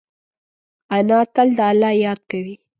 انا تل د الله یاد کوي